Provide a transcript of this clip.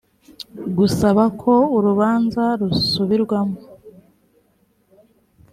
gusaba ko urubanza rusubirwamo